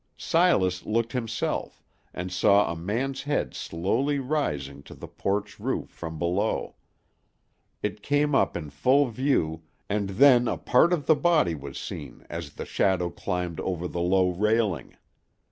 Silas looked himself, and saw a man's head slowly rising to the porch roof from below. It came up in full view, and then a part of the body was seen as the shadow climbed over the low railing.